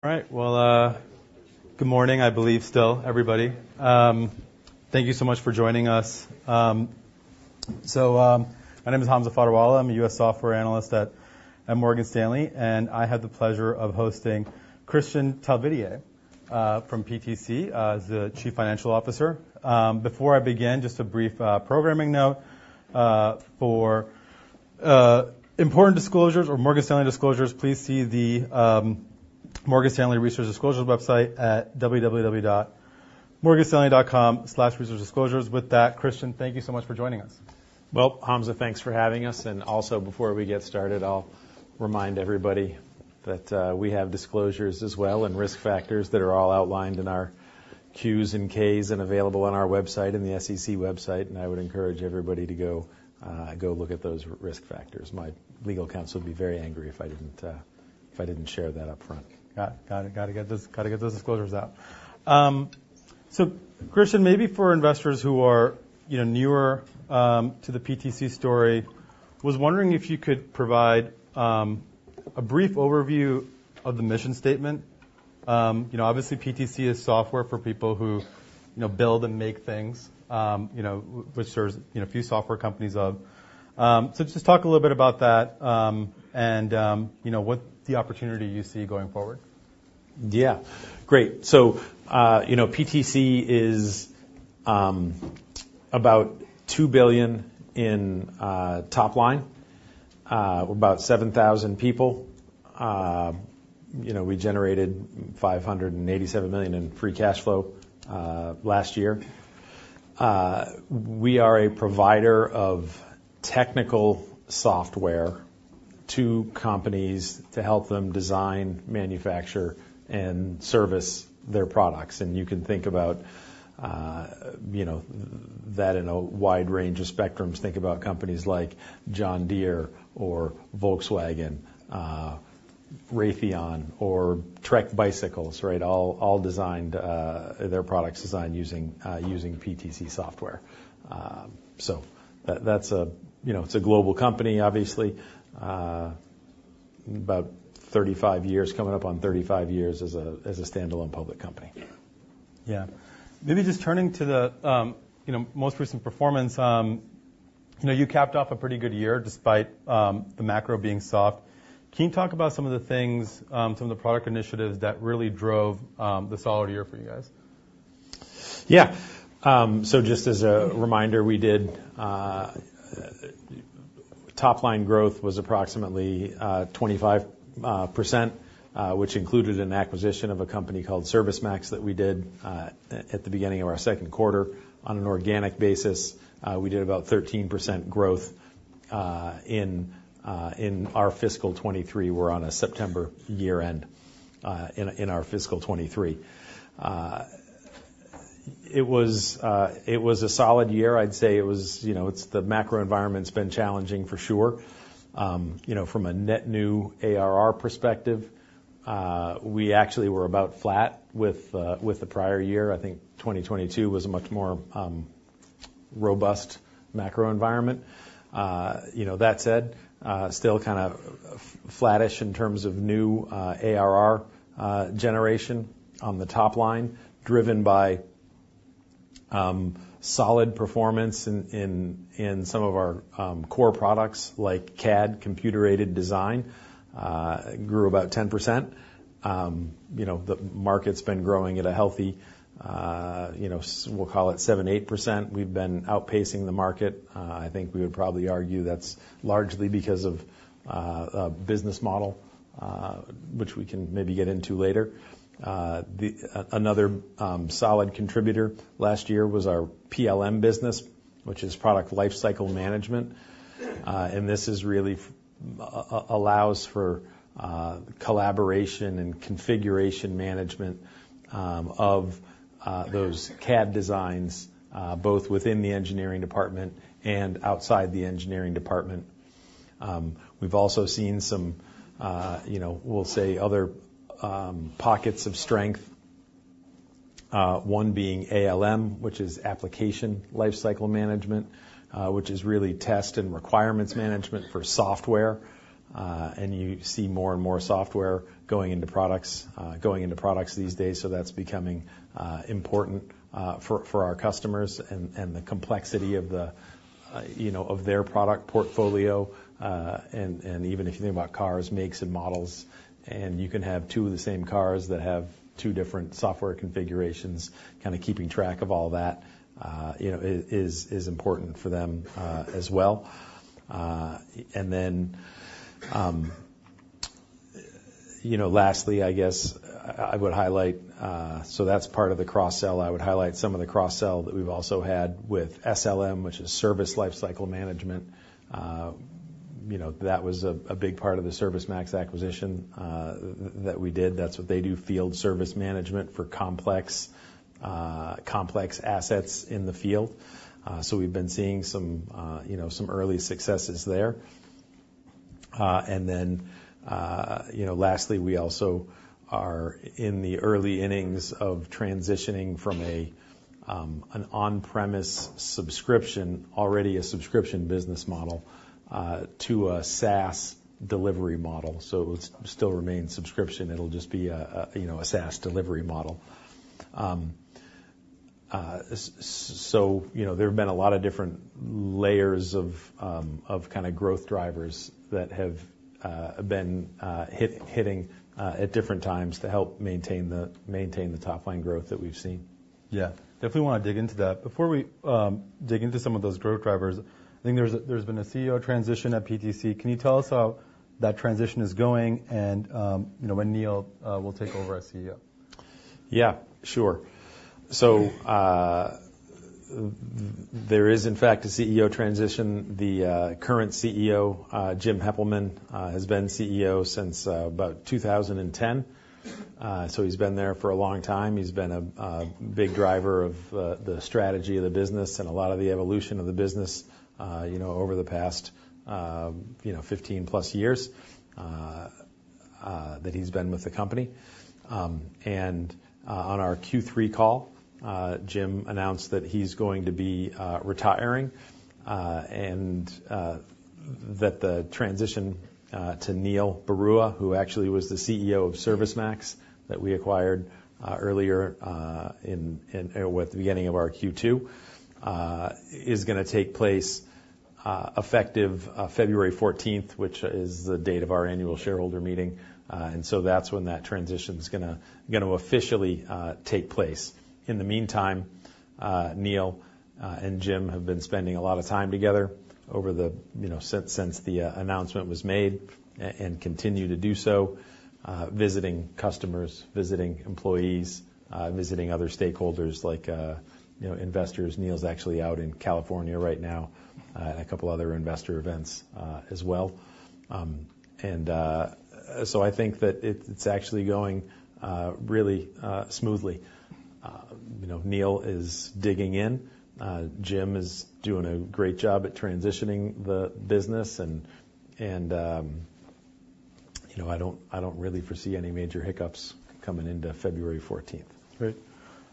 All right. Well, good morning, I believe, still, everybody. Thank you so much for joining us. My name is Hamza Fodderwala. I'm a U.S. software analyst at Morgan Stanley, and I have the pleasure of hosting Kristian Talvitie from PTC as the Chief Financial Officer. Before I begin, just a brief programming note for important disclosures or Morgan Stanley disclosures, please see the Morgan Stanley Research disclosures website at www.morganstanley.com/researchdisclosures. With that, Kristian, thank you so much for joining us. Well, Hamza, thanks for having us. And also, before we get started, I'll remind everybody that we have disclosures as well, and risk factors that are all outlined in our Qs and Ks and available on our website and the SEC website. And I would encourage everybody to go look at those risk factors. My legal counsel would be very angry if I didn't share that upfront. Gotta get those disclosures out. So Kristian, maybe for investors who are, you know, newer to the PTC story, was wondering if you could provide a brief overview of the mission statement. You know, obviously, PTC is software for people who, you know, build and make things, you know, which there's, you know, a few software companies of. So just talk a little bit about that, and, you know, what the opportunity you see going forward. Yeah. Great. So, you know, PTC is about $2 billion in top line, about 7,000 people. You know, we generated $587 million in free cash flow last year. We are a provider of technical software to companies to help them design, manufacture, and service their products. And you can think about, you know, that in a wide range of spectrums. Think about companies like John Deere or Volkswagen, Raytheon, or Trek Bicycles, right? All, all designed their products designed using using PTC software. So that, that's a, you know, it's a global company, obviously. About 35 years, coming up on 35 years as a as a standalone public company. Yeah. Maybe just turning to the, you know, most recent performance, you know, you capped off a pretty good year despite the macro being soft. Can you talk about some of the product initiatives that really drove the solid year for you guys? Yeah. So just as a reminder, we did top-line growth was approximately 25%, which included an acquisition of a company called ServiceMax that we did at the beginning of our second quarter. On an organic basis, we did about 13% growth in our fiscal 2023. We're on a September year-end in our fiscal 2023. It was a solid year. I'd say it was, you know, it's the macro environment's been challenging for sure. You know, from a net new ARR perspective, we actually were about flat with the prior year. I think 2022 was a much more robust macro environment. You know, that said, still kind of flattish in terms of new ARR generation on the top line, driven by solid performance in some of our core products like CAD, computer-aided design, grew about 10%. You know, the market's been growing at a healthy, you know, we'll call it 7%-8%. We've been outpacing the market. I think we would probably argue that's largely because of a business model, which we can maybe get into later. Another solid contributor last year was our PLM business, which is product lifecycle management. And this is really allows for collaboration and configuration management of those CAD designs both within the engineering department and outside the engineering department. We've also seen some, you know, we'll say other pockets of strength, one being ALM, which is application lifecycle management, which is really test and requirements management for software. And you see more and more software going into products, going into products these days, so that's becoming important for our customers and the complexity of the, you know, of their product portfolio. And even if you think about cars, makes and models, and you can have two of the same cars that have two different software configurations, kinda keeping track of all that, you know, is important for them, as well. And then, you know, lastly, I guess I would highlight... So that's part of the cross-sell. I would highlight some of the cross-sell that we've also had with SLM, which is service lifecycle management. You know, that was a big part of the ServiceMax acquisition that we did. That's what they do, field service management for complex assets in the field. So we've been seeing some, you know, some early successes there. And then, you know, lastly, we also are in the early innings of transitioning from an on-premise subscription, already a subscription business model, to a SaaS delivery model. So it would still remain subscription, it'll just be a, you know, a SaaS delivery model. So, you know, there have been a lot of different layers of kind of growth drivers that have been hitting at different times to help maintain the, maintain the top line growth that we've seen. Yeah. Definitely wanna dig into that. Before we dig into some of those growth drivers, I think there's been a CEO transition at PTC. Can you tell us how that transition is going, and, you know, when Neil will take over as CEO? Yeah, sure. So, there is, in fact, a CEO transition. The current CEO, Jim Heppelmann, has been CEO since about 2010. So he's been there for a long time. He's been a big driver of the strategy of the business and a lot of the evolution of the business, you know, over the past, you know, 15+ years that he's been with the company. And on our Q3 call, Jim announced that he's going to be retiring, and that the transition to Neil Barua, who actually was the CEO of ServiceMax, that we acquired earlier in the beginning of our Q2, is gonna take place effective February 14th, which is the date of our annual shareholder meeting. And so that's when that transition's gonna officially take place. In the meantime, Neil and Jim have been spending a lot of time together over the, you know, since the announcement was made, and continue to do so, visiting customers, visiting employees, visiting other stakeholders like, you know, investors. Neil's actually out in California right now, at a couple other investor events, as well. And so I think that it's actually going really smoothly. You know, Neil is digging in. Jim is doing a great job at transitioning the business, and you know, I don't really foresee any major hiccups coming into February 14th. Great.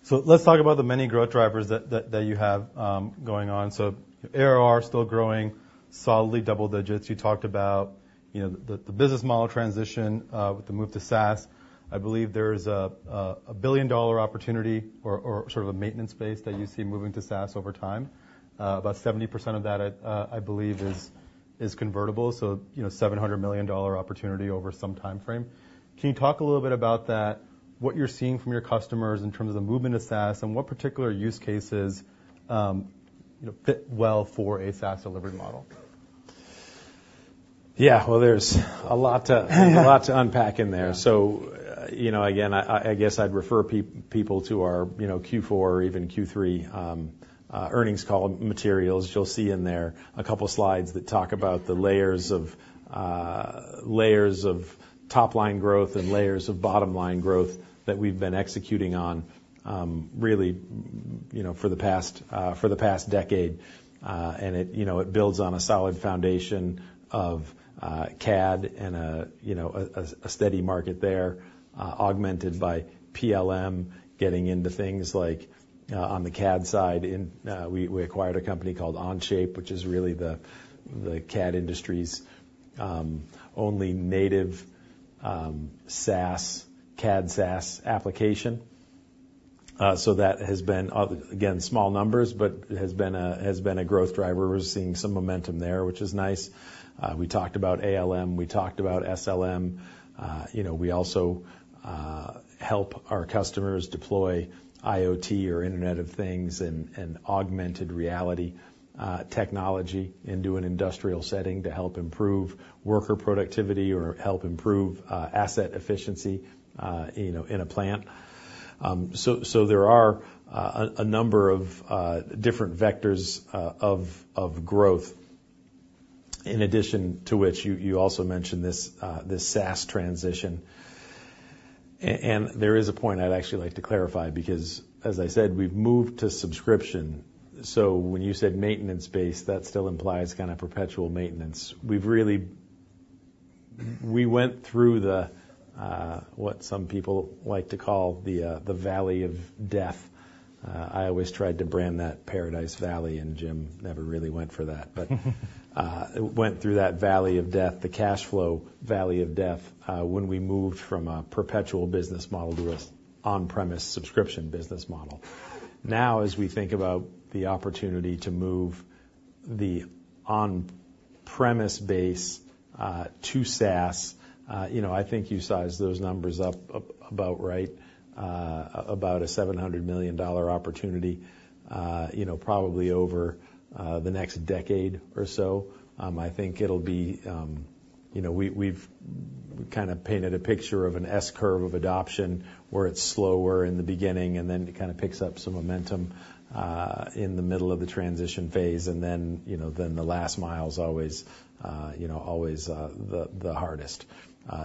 So let's talk about the many growth drivers that you have going on. So ARR is still growing solidly double digits. You talked about, you know, the business model transition with the move to SaaS. I believe there's a billion-dollar opportunity or sort of a maintenance base that you see moving to SaaS over time. About 70% of that, I believe is convertible, so, you know, $700 million opportunity over some timeframe. Can you talk a little bit about that, what you're seeing from your customers in terms of the movement of SaaS, and what particular use cases, you know, fit well for a SaaS delivery model? Yeah. Well, there's a lot to unpack in there. Yeah. So, you know, again, I guess I'd refer people to our Q4 or even Q3 earnings call materials. You'll see in there a couple slides that talk about the layers of top-line growth and layers of bottom-line growth that we've been executing on, really, you know, for the past decade. And it, you know, it builds on a solid foundation of CAD and a steady market there, augmented by PLM, getting into things like on the CAD side. We acquired a company called Onshape, which is really the CAD industry's only native SaaS CAD SaaS application. So that has been again, small numbers, but it has been a growth driver. We're seeing some momentum there, which is nice. We talked about ALM. We talked about SLM. You know, we also help our customers deploy IoT or Internet of Things and augmented reality technology into an industrial setting to help improve worker productivity or help improve asset efficiency, you know, in a plant. So there are a number of different vectors of growth, in addition to which you also mentioned this SaaS transition. And there is a point I'd actually like to clarify, because, as I said, we've moved to subscription, so when you said maintenance-based, that still implies kind of perpetual maintenance. We've really... We went through the, what some people like to call the valley of death. I always tried to brand that Paradise Valley, and Jim never really went for that. But, went through that valley of death, the cash flow valley of death, when we moved from a perpetual business model to a on-premise subscription business model. Now, as we think about the opportunity to move the on-premise base to SaaS, you know, I think you sized those numbers up about right, about a $700 million opportunity, you know, probably over the next decade or so. I think it'll be, You know, we, we've kind of painted a picture of an S curve of adoption, where it's slower in the beginning, and then it kind of picks up some momentum in the middle of the transition phase, and then, you know, then the last mile is always, you know, always the hardest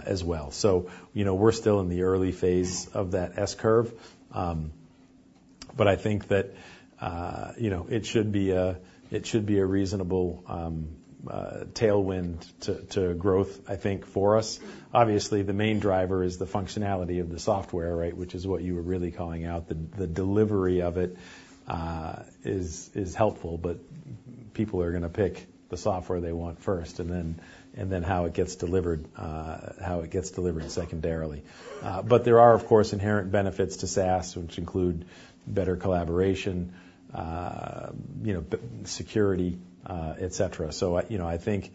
as well. So, you know, we're still in the early phase of that S curve, but I think that, you know, it should be a reasonable tailwind to growth, I think, for us. Obviously, the main driver is the functionality of the software, right? Which is what you were really calling out. The delivery of it is helpful, but-... People are going to pick the software they want first, and then how it gets delivered secondarily. But there are, of course, inherent benefits to SaaS, which include better collaboration, you know, security, et cetera. So I, you know, I think,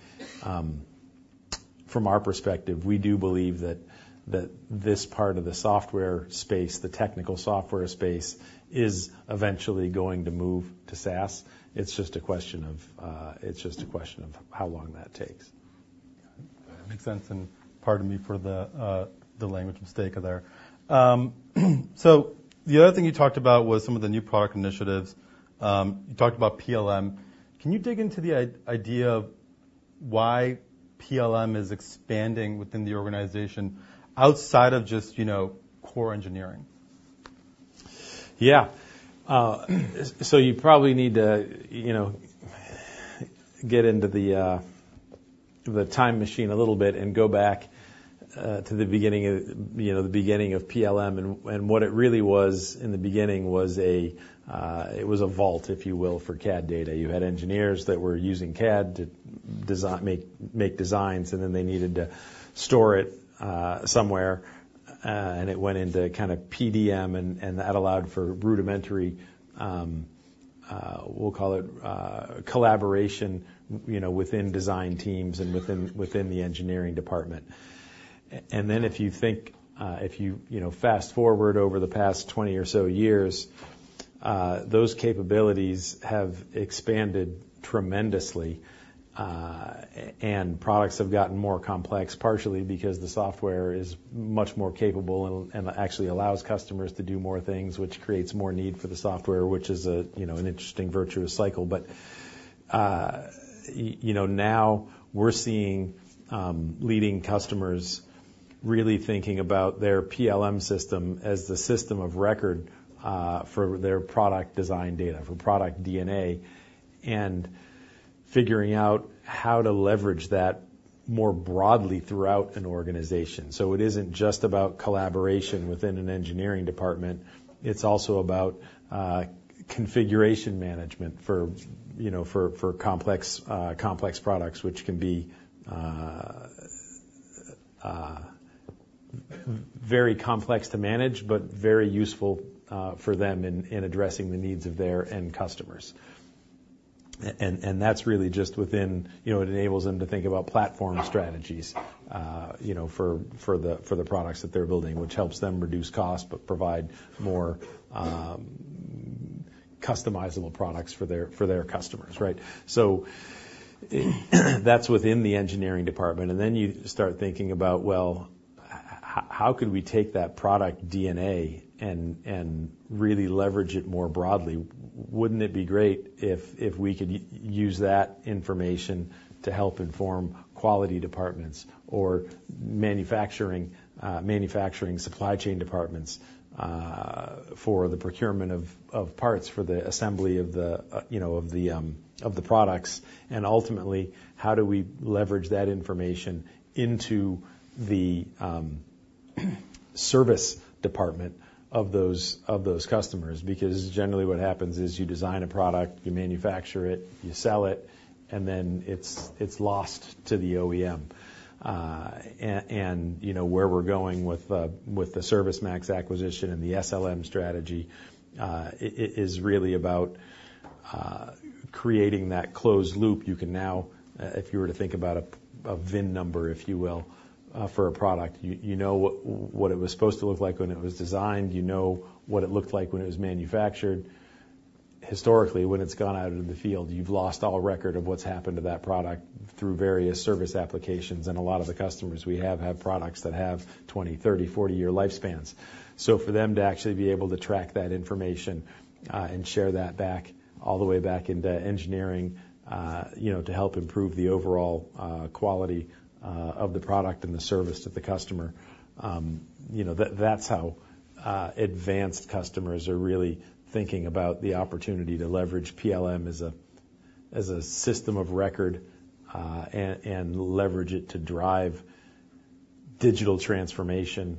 from our perspective, we do believe that this part of the software space, the technical software space, is eventually going to move to SaaS. It's just a question of how long that takes. Makes sense. And pardon me for the language mistake there. So the other thing you talked about was some of the new product initiatives. You talked about PLM. Can you dig into the idea of why PLM is expanding within the organization outside of just, you know, core engineering? Yeah. So you probably need to, you know, get into the time machine a little bit and go back to the beginning of, you know, the beginning of PLM. And what it really was in the beginning was a vault, if you will, for CAD data. You had engineers that were using CAD to design, make designs, and then they needed to store it somewhere, and it went into kind of PDM, and that allowed for rudimentary, we'll call it, collaboration, you know, within design teams and within the engineering department. And then, if you think, if you, you know, fast-forward over the past 20 or so years, those capabilities have expanded tremendously. And products have gotten more complex, partially because the software is much more capable and actually allows customers to do more things, which creates more need for the software, which is a, you know, an interesting virtuous cycle. But you know, now we're seeing leading customers really thinking about their PLM system as the system of record for their product design data, for product DNA, and figuring out how to leverage that more broadly throughout an organization. So it isn't just about collaboration within an engineering department. It's also about configuration management for, you know, complex products, which can be very complex to manage, but very useful for them in addressing the needs of their end customers. And that's really just within... You know, it enables them to think about platform strategies, you know, for the products that they're building, which helps them reduce cost, but provide more customizable products for their customers, right? So that's within the engineering department. And then you start thinking about, well, how could we take that product DNA and really leverage it more broadly? Wouldn't it be great if we could use that information to help inform quality departments or manufacturing supply chain departments for the procurement of parts, for the assembly of the products? And ultimately, how do we leverage that information into the service department of those customers? Because generally, what happens is, you design a product, you manufacture it, you sell it, and then it's, it's lost to the OEM. And you know, where we're going with the ServiceMax acquisition and the SLM strategy, is really about creating that closed loop. You can now, if you were to think about a VIN number, if you will, for a product, you know what it was supposed to look like when it was designed. You know what it looked like when it was manufactured. Historically, when it's gone out into the field, you've lost all record of what's happened to that product through various service applications. And a lot of the customers we have, have products that have 20-, 30-, 40-year lifespans. So for them to actually be able to track that information and share that back, all the way back into engineering, you know, to help improve the overall quality of the product and the service to the customer, you know, that's how advanced customers are really thinking about the opportunity to leverage PLM as a system of record and leverage it to drive digital transformation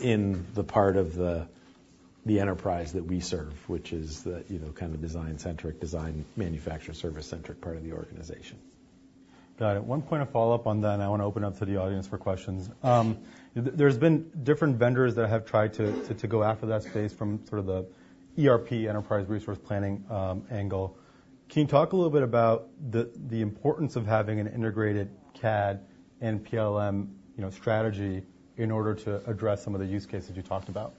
in the part of the enterprise that we serve, which is the, you know, kind of design-centric, design, manufacture, service-centric part of the organization. Got it. One point of follow-up on that, and I want to open up to the audience for questions. There's been different vendors that have tried to go after that space from sort of the ERP, enterprise resource planning, angle. Can you talk a little bit about the importance of having an integrated CAD and PLM, you know, strategy in order to address some of the use cases you talked about?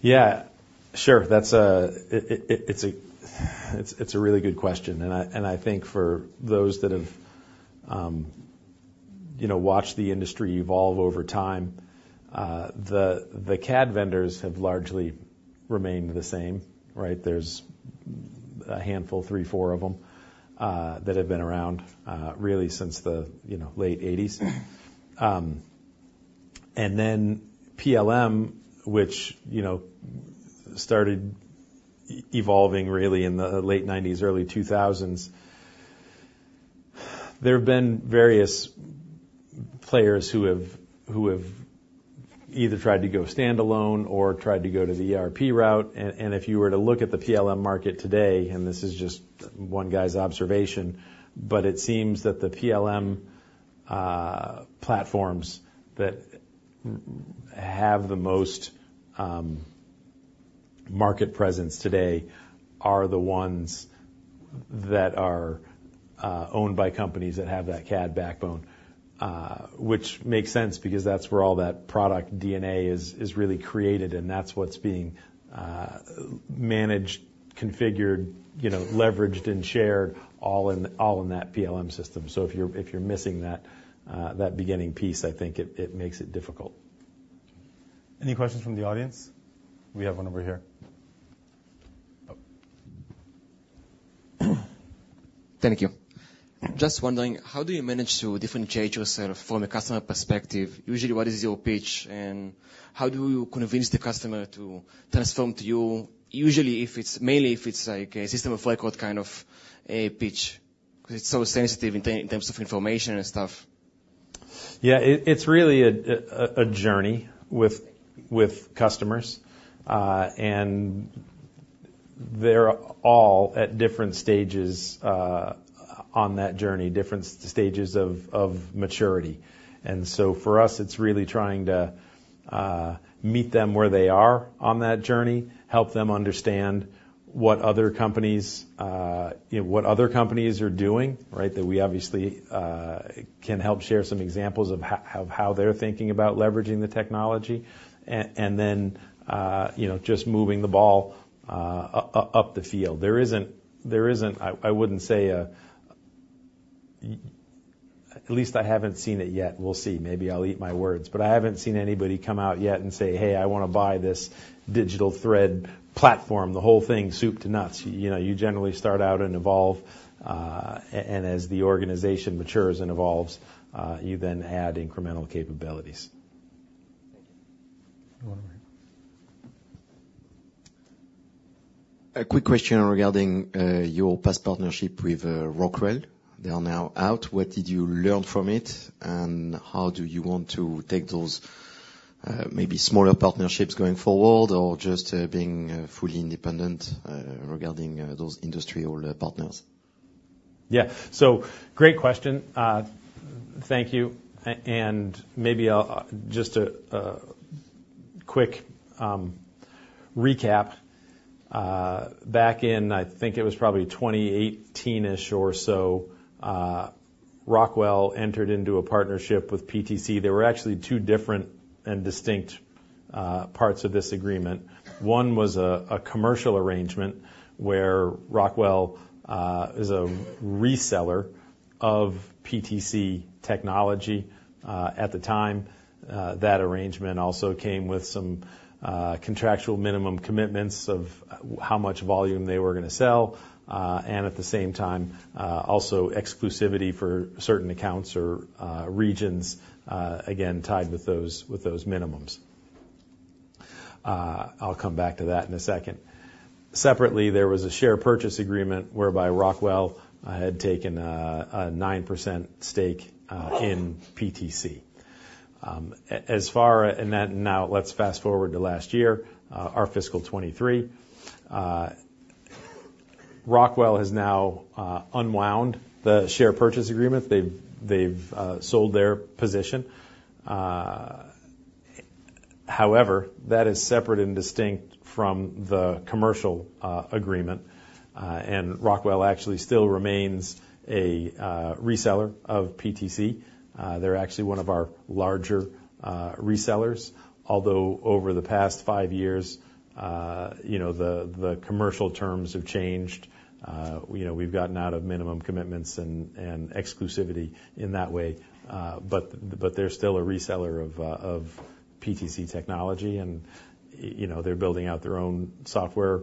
Yeah, sure. That's a—it's a really good question, and I think for those that have, you know, watched the industry evolve over time, the CAD vendors have largely remained the same, right? There's a handful, three, four of them, that have been around, really since the, you know, late 1980s. And then PLM, which, you know, started evolving really in the late 1990s, early 2000s. There have been various players who have either tried to go standalone or tried to go to the ERP route. And if you were to look at the PLM market today, and this is just one guy's observation, but it seems that the PLM platforms that have the most market presence today are the ones that are owned by companies that have that CAD backbone. Which makes sense, because that's where all that product DNA is, is really created, and that's what's being managed, configured, you know, leveraged, and shared all in, all in that PLM system. So if you're, if you're missing that, that beginning piece, I think it, it makes it difficult. Any questions from the audience? We have one over here. Oh. Thank you. Just wondering, how do you manage to differentiate yourself from a customer perspective? Usually, what is your pitch, and how do you convince the customer to transform to you? Usually, mainly if it's, like, a system of record, kind of a pitch, because it's so sensitive in terms of information and stuff. Yeah, it's really a journey with customers. They're all at different stages on that journey, different stages of maturity. So for us, it's really trying to meet them where they are on that journey, help them understand what other companies, you know, what other companies are doing, right? That we obviously can help share some examples of how they're thinking about leveraging the technology. Then, you know, just moving the ball up the field. There isn't... I wouldn't say, at least I haven't seen it yet. We'll see. Maybe I'll eat my words. But I haven't seen anybody come out yet and say: "Hey, I want to buy this digital thread platform, the whole thing, soup to nuts. You know, you generally start out and evolve, and as the organization matures and evolves, you then add incremental capabilities. Thank you. One over here. A quick question regarding your past partnership with Rockwell. They are now out. What did you learn from it, and how do you want to take those maybe smaller partnerships going forward, or just being fully independent regarding those industrial partners? Yeah. So great question. Thank you. And maybe I'll just a quick recap. Back in, I think it was probably 2018-ish or so, Rockwell entered into a partnership with PTC. There were actually two different and distinct parts of this agreement. One was a commercial arrangement, where Rockwell is a reseller of PTC technology at the time. That arrangement also came with some contractual minimum commitments of how much volume they were going to sell. And at the same time also exclusivity for certain accounts or regions again tied with those minimums. I'll come back to that in a second. Separately, there was a share purchase agreement whereby Rockwell had taken a 9% stake in PTC. As far... And then now let's fast-forward to last year, our fiscal 2023. Rockwell has now unwound the share purchase agreement. They've sold their position. However, that is separate and distinct from the commercial agreement, and Rockwell actually still remains a reseller of PTC. They're actually one of our larger resellers. Although over the past 5 years, you know, the commercial terms have changed. You know, we've gotten out of minimum commitments and exclusivity in that way. But they're still a reseller of PTC technology, and, you know, they're building out their own software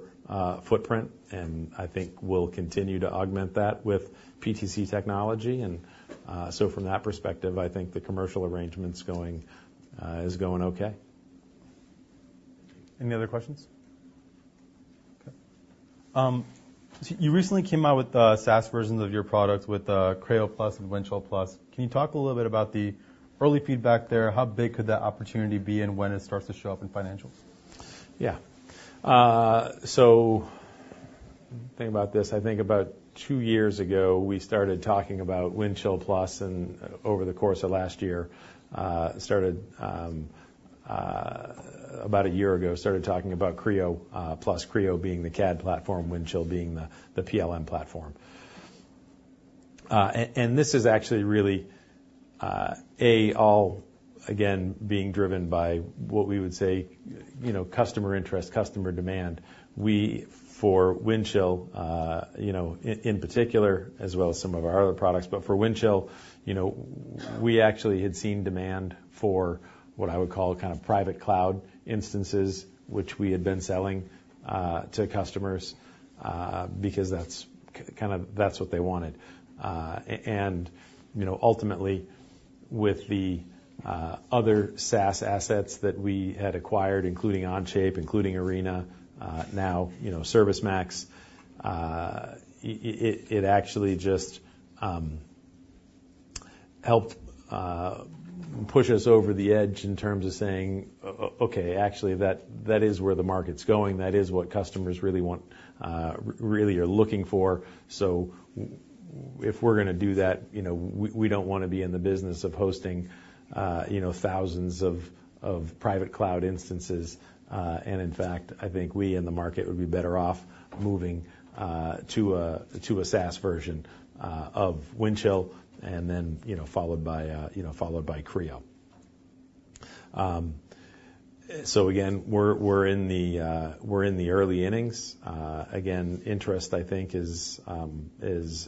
footprint, and I think we'll continue to augment that with PTC technology. And so from that perspective, I think the commercial arrangement is going okay. Any other questions? Okay. So you recently came out with SaaS versions of your products with Creo+ and Windchill+. Can you talk a little bit about the early feedback there? How big could that opportunity be, and when it starts to show up in financials? Yeah. So let me think about this. I think about two years ago, we started talking about Windchill+, and over the course of last year. About a year ago, started talking about Creo+. Creo being the CAD platform, Windchill being the PLM platform. And this is actually really all, again, being driven by what we would say, you know, customer interest, customer demand. We, for Windchill, you know, in particular, as well as some of our other products, but for Windchill, you know, we actually had seen demand for what I would call kind of private cloud instances, which we had been selling to customers because that's kind of, that's what they wanted. You know, ultimately with the other SaaS assets that we had acquired, including Onshape, including Arena, now, you know, ServiceMax. It actually just helped push us over the edge in terms of saying, "Okay, actually, that is where the market's going. That is what customers really want, really are looking for." So if we're gonna do that, you know, we don't wanna be in the business of hosting, you know, thousands of private cloud instances. And in fact, I think we in the market would be better off moving to a SaaS version of Windchill and then, you know, followed by Creo. So again, we're in the early innings. Again, interest, I think, is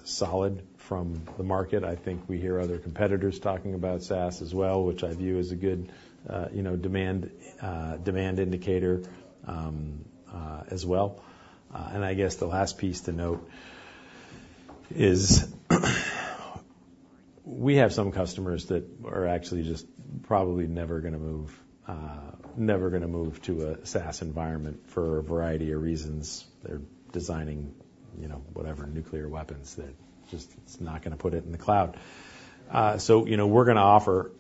solid from the market. I think we hear other competitors talking about SaaS as well, which I view as a good, you know, demand indicator, as well. And I guess the last piece to note is, we have some customers that are actually just probably never gonna move, never gonna move to a SaaS environment for a variety of reasons. They're designing, you know, whatever, nuclear weapons, that just... It's not gonna put it in the cloud. So, you know, we're gonna offer,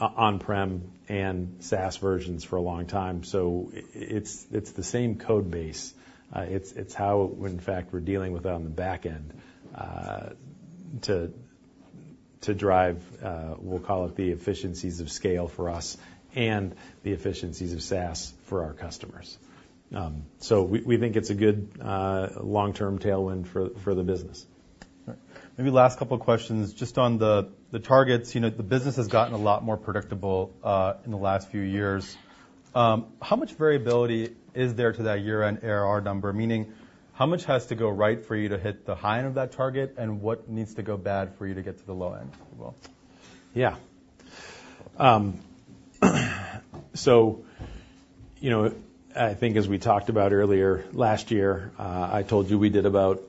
on-prem and SaaS versions for a long time. So it's, it's the same code base. It's how, when in fact, we're dealing with it on the back end, to drive, we'll call it the efficiencies of scale for us and the efficiencies of SaaS for our customers. So we think it's a good long-term tailwind for the business. All right. Maybe last couple of questions. Just on the targets, you know, the business has gotten a lot more predictable in the last few years. How much variability is there to that year-end ARR number? Meaning, how much has to go right for you to hit the high end of that target, and what needs to go bad for you to get to the low end as well? Yeah. So, you know, I think as we talked about earlier, last year, I told you, we did about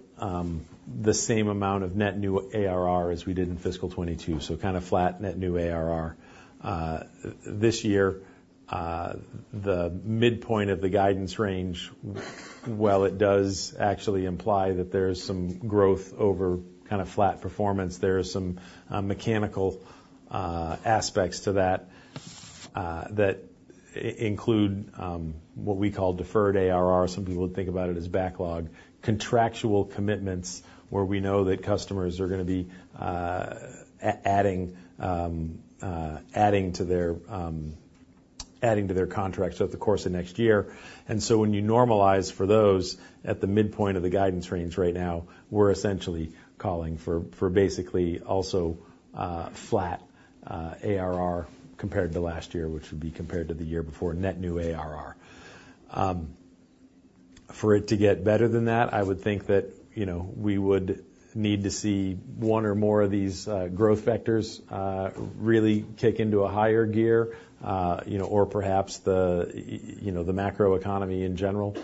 the same amount of net new ARR as we did in fiscal 2022, so kind of flat net new ARR. This year, the midpoint of the guidance range, well, it does actually imply that there is some growth over kind of flat performance. There is some mechanical aspects to that, that include what we call deferred ARR. Some people would think about it as backlog, contractual commitments, where we know that customers are gonna be adding to their contracts over the course of next year. And so when you normalize for those at the midpoint of the guidance range right now, we're essentially calling for, for basically also, flat ARR compared to last year, which would be compared to the year before, net new ARR. For it to get better than that, I would think that, you know, we would need to see one or more of these, growth vectors, really kick into a higher gear, you know, or perhaps the, you know, the macro economy in general,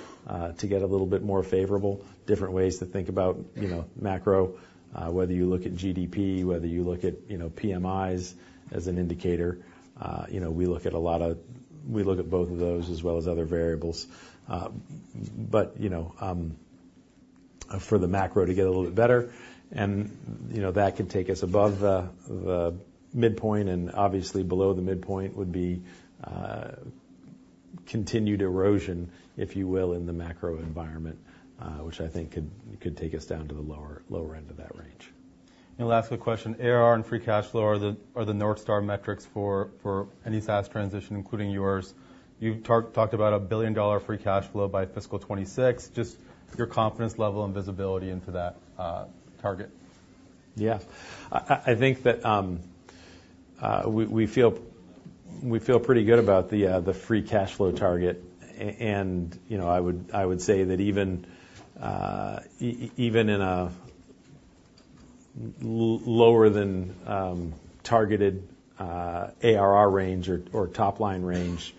to get a little bit more favorable. Different ways to think about, you know, macro, whether you look at GDP, whether you look at, you know, PMIs as an indicator. You know, we look at a lot of-- we look at both of those, as well as other variables. But, you know, for the macro to get a little bit better and, you know, that could take us above the midpoint, and obviously, below the midpoint would be continued erosion, if you will, in the macro environment, which I think could take us down to the lower end of that range. Last quick question: ARR and free cash flow are the North Star metrics for any SaaS transition, including yours. You've talked about a billion-dollar free cash flow by fiscal 2026. Just your confidence level and visibility into that target. Yeah. I think that we feel pretty good about the free cash flow target. And, you know, I would say that even even in a lower than targeted ARR range or top-line range,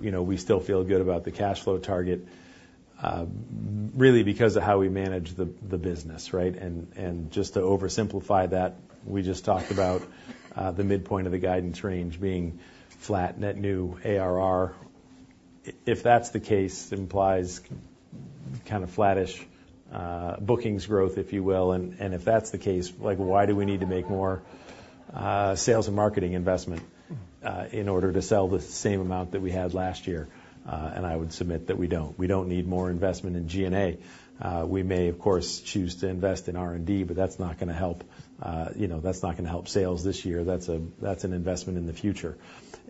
you know, we still feel good about the cash flow target, really because of how we manage the business, right? And just to oversimplify that, we just talked about the midpoint of the guidance range being flat net new ARR. If that's the case, it implies kind of flattish bookings growth, if you will. And if that's the case, like, why do we need to make more sales and marketing investment in order to sell the same amount that we had last year? And I would submit that we don't. We don't need more investment in G&A. We may, of course, choose to invest in R&D, but that's not gonna help, you know, that's not gonna help sales this year. That's an investment in the future.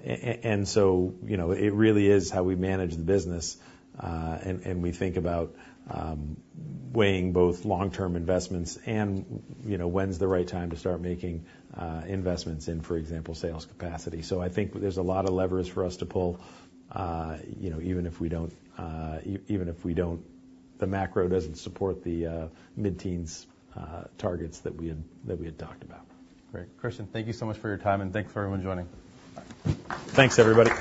And so, you know, it really is how we manage the business, and we think about weighing both long-term investments and, you know, when's the right time to start making investments in, for example, sales capacity. So I think there's a lot of levers for us to pull, you know, even if we don't. The macro doesn't support the mid-teens targets that we had, that we had talked about. Great. Christian, thank you so much for your time, and thanks for everyone joining. Bye. Thanks, everybody.